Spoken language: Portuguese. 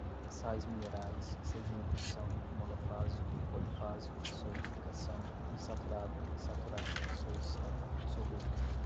sais minerais, sedimentação, monofásico, polifásico, solidificação, insaturada, saturada, solução, soluto